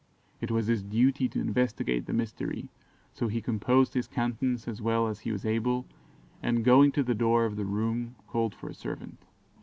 It was his duty to investigate the mystery, so he composed his countenance as well as he was able, and going to the door of the room, called for a servant.